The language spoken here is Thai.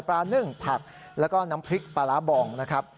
นึ่งผักแล้วก็น้ำพริกปลาร้าบองนะครับ